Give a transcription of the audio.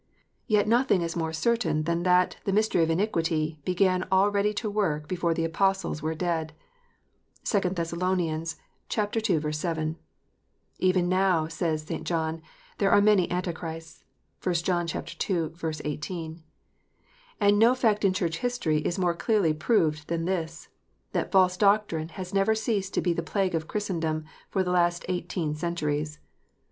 Yet nothing is more certain than that " the mystery of iniquity " began already to work before the Apostles were dead. (2 Thess. ii. 7.) " Even now," says St. John, "There are many Antichrists." (1 John ii. 18.) And no fact in Church history is more clearly proved than this, that false doctrine has never ceased to be the plague of Christendom for the last eighteen centuries.